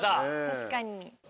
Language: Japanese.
確かに。